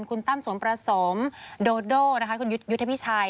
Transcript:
คุณตั้มสมประสมโดโดนะคะคุณยุทธพิชัย